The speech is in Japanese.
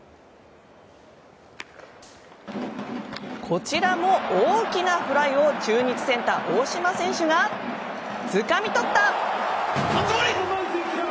こちらも大きなフライを中日センター、大島選手がつかみ取った！